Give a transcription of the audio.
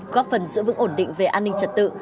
góp phần giữ vững ổn định về an ninh trật tự